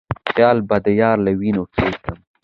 خال به د يار له وينو کېږدم